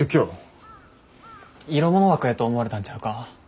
色物枠やと思われたんちゃうか。